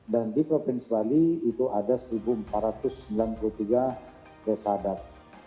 dan di provinsi bali itu ada satu empat ratus sembilan puluh tiga desa adat